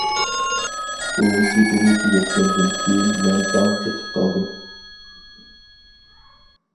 ئۇ گېپىنى تۈگەتكەندىن كېيىن مەن داڭ قېتىپ قالدىم.